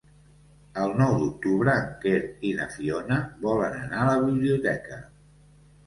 El nou d'octubre en Quer i na Fiona volen anar a la biblioteca.